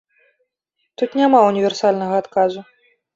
Тут няма універсальнага адказу.